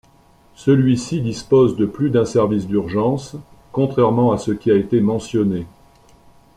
Celui-ci dispose de plus d'un service d'urgences, contrairement à ce qui a été mentionné.